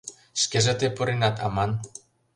Шкеже тый пуренат аман.